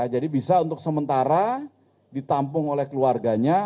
jadi bisa untuk sementara ditampung oleh keluarganya